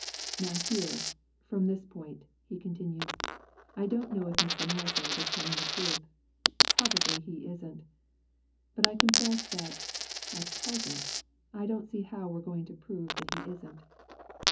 "Now here, from this point," he continued, "I don't know if Mr. Merrifield is telling the truth. Probably he isn't. But I confess that, at present, I don't see how we're going to prove that he isn't.